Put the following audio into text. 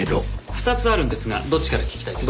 ２つあるんですがどっちから聞きたいですか？